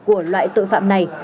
của loại tội phạm này